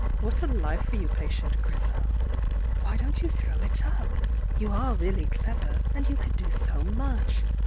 What a life for you, patient Grizel! Why don't you throw it up? You are really clever, and you could do so much.